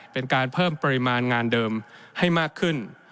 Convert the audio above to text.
เป็นการเพิ่มปริมาณงานเดิมให้มากขึ้น